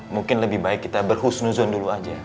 mungkin lebih baik kita berhusnuzon dulu aja